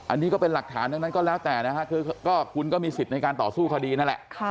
อันนี้ก็เป็นหลักฐานแล้วแต่คุณก็มีสิทธิ์ในการต่อสู้คดีนั่นแหละ